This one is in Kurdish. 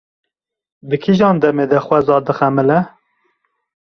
Di kîjan demê de xweza dixemile?